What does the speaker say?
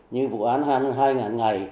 như vụ án hai mươi hai ngàn ngày